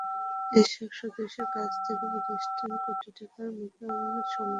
এসব সদস্যের কাছ থেকে প্রতিষ্ঠানটি কোটি টাকার মতো আমানত সংগ্রহ করেছে।